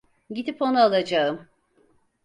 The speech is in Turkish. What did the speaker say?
Gidip onu alacağım.